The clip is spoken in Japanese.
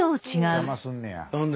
邪魔すんねや。